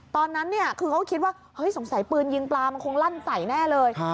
ตอนนั้นคือเขาก็คิดว่าเฮ้ยสงสัยปืนยิงปลามันคงลั่นใส่แน่เลย